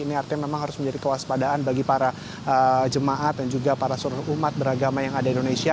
ini artinya memang harus menjadi kewaspadaan bagi para jemaat dan juga para seluruh umat beragama yang ada di indonesia